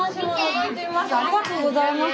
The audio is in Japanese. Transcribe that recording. ありがとうございます。